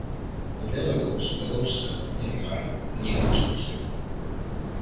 El deu d'agost na Dolça i en Marc aniran d'excursió.